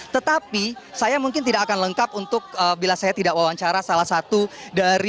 tetapi saya mungkin tidak akan lengkap untuk bila saya tidak wawancara salah satu dari